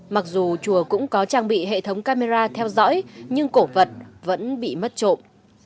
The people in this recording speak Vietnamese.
mặc dù chùa cũng có trang bị hệ thống camera theo dõi nhưng cổ vật vẫn bị mất trộm